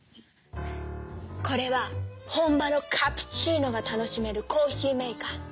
これは本場のカプチーノが楽しめるコーヒーメーカー。